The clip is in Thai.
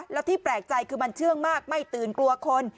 แล้วที่แปลกใจคือมันเชื่องมากไม่ตื่นกลัวคน